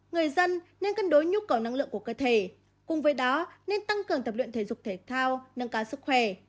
người dân nên cân đối nhu cầu năng lượng của cơ thể cùng với đó nên tăng cường tập luyện thể dục thể thao nâng cao sức khỏe